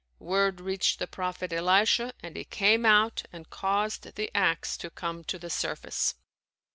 Word reached the prophet Elisha and he came out and caused the ax to come to the surface.